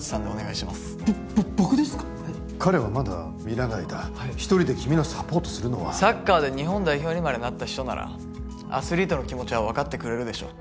彼はまだ見習いだ一人で君のサポートするのはサッカーで日本代表にまでなった人ならアスリートの気持ちは分かってくれるでしょ